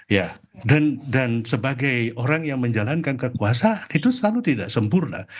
ya dan sebagai orang yang menjalankan kekuasaan itu selalu tidak sempurna